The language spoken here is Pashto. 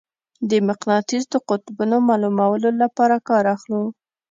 د مقناطیس د قطبونو معلومولو لپاره کار اخلو.